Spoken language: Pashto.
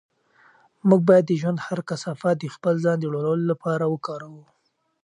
موږ باید د ژوند هر کثافت د خپل ځان د لوړولو لپاره وکاروو.